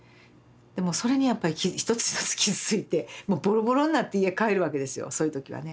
でもうそれにやっぱり一つ一つ傷ついてもうボロボロになって家帰るわけですよそういう時はね。